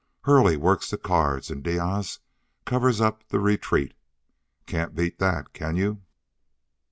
Hurley works the cards and Diaz covers up the retreat. Can't beat that, can you?"